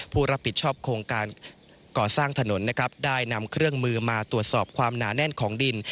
ผู้รับผิดชอบโครงการก่อสร้างถนนนะครับได้นำเครื่องมือมาตรวจสอบความหนาแน่นของดิน